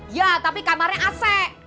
iya tapi kamarnya asek